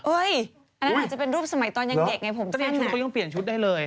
อุ๊ยอันนั้นอาจจะเป็นรูปสมัยตอนยังเด็กไงผมสั้นอ่ะตอนยังเด็กแล้วเขายังเปลี่ยนชุดได้เลย